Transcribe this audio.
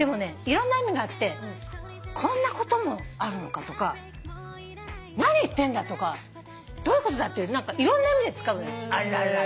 いろんな意味があって「こんなこともあるのか」とか「何言ってんだ」とか「どういうことだ」っていろんな意味で使うのよ「アララ」